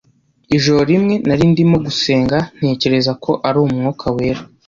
Ijoro rimwe nari ndimo gusenga, ntekereza ko ari Umwuka Wera